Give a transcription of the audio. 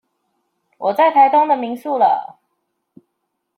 我在台東的民宿了